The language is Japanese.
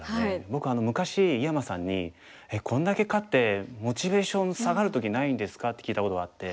僕昔井山さんに「こんだけ勝ってモチベーション下がる時ないんですか？」って聞いたことがあって。